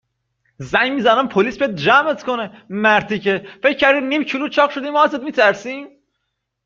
زنگ می زنم پلیس بیاد جمعت کنه. مرتیکه. فکر کردی نیم کیلو چاق شدی ما ازت می ترسیم؟